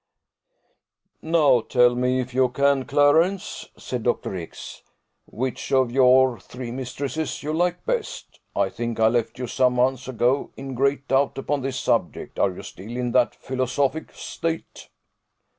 "Now, tell me, if you can, Clarence," said Dr. X , "which of your three mistresses you like best? I think I left you some months ago in great doubt upon this subject: are you still in that philosophic state?"